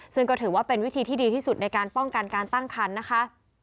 ซึ่งก็ถือว่าเป็นวิธีที่ดีที่สุดในการป้องกันการตั้งคันนะคะ